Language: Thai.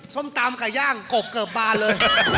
ส้มตำไก่ย่างกบเกือบบานเลย